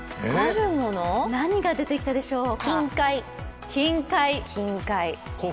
何が出てきたでしょうか？